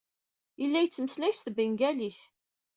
Yella yettmeslay s tbengalit.